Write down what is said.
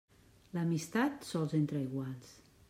L'amistat, sols entre iguals.